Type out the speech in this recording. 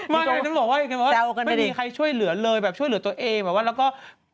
ไม่ต้องบอกว่าไม่มีใครช่วยเหลือเลยแบบช่วยเหลือตัวเองแบบว่าแล้วก็